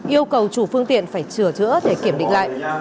yêu cầu chủ phương tiện phải trửa thửa để kiểm định lại